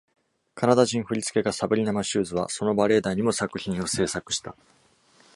カナダ人振付家、サブリナ・マシューズはそのバレエ団にも作品を制作した。